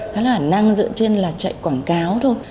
khá là bản năng dựa trên là chạy quảng cáo thôi